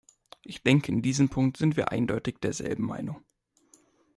Ich denke, in diesem Punkt sind wir eindeutig derselben Meinung.